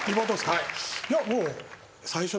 はい。